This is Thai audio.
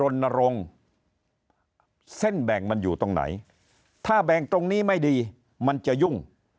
รณรงค์เส้นแบ่งมันอยู่ตรงไหนถ้าแบ่งตรงนี้ไม่ดีมันจะยุ่ง